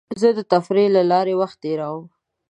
زه د تفریح له لارې وخت تېرووم.